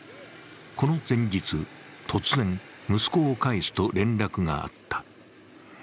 この前日、突然、息子を返すと連絡があった。